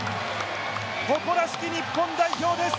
誇らしき日本代表です。